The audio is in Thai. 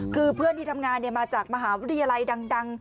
คือเพื่อนที่ทำงานมาจากมหาวิทยาลัยดัง